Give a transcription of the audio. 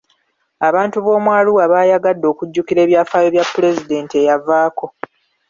Abantu b'omu Arua baayagadde okujjukira ebyafaayo bya pulezidenti eyavaako.